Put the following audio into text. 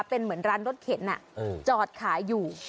เป็นเหมือนร้านรถเข็นจอดขายอยู่